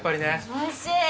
おいしい。